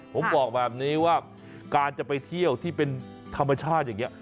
ผมบอกแบบนี้ว่าการจะไปเที่ยวที่เป็นธรรมชาติอย่างนี้